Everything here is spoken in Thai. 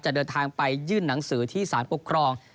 เดินทางไปยื่นหนังสือที่สารปกครอง